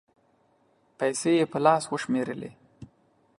پېسې یې په لاس و شمېرلې